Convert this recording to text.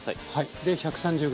で１３０ｇ。